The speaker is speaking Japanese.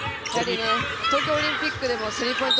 東京オリンピックでもスリーポイント